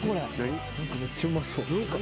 何かめっちゃうまそう。